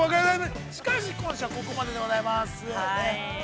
しかし、今週はここまででございます。